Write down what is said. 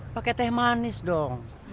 pake teh manis dong